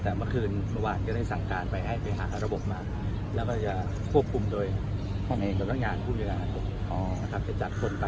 ซึ่งตั้งแต่เมื่อคืนเขา